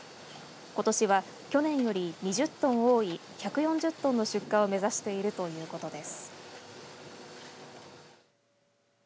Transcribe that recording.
ことしは去年より２０トン多い１４０トンの出荷を目指しているということです。